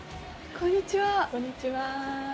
こんにちは。